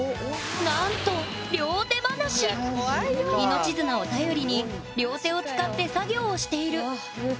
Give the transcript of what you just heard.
なんと命綱を頼りに両手を使って作業をしている。